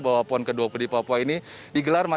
bahwa pon ke dua puluh di papua ini digelar